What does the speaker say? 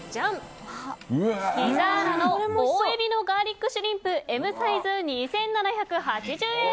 ピザーラの大海老のガーリックシュリンプＭサイズ、２７８０円。